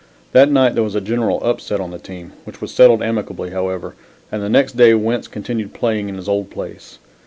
That night there was a general upset on the team which was settled amicably, however, and the next day Wentz continued playing in his old place.